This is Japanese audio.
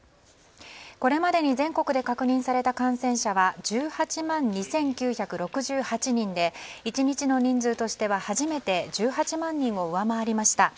これまでの全国で確認された感染者は１８万２９６８人で１日の人数としては初めて１８万人を上回りました。